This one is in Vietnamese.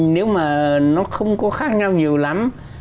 nếu mà nó không có khác nhau nhiều lắm